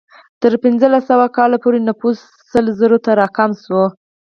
تر پنځلس سوه کال پورې نفوس سل زرو ته راکم شو.